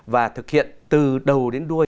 và thực hiện từ đầu đến đuôi